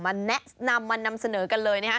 มาแนะนำมานำเสนอกันเลย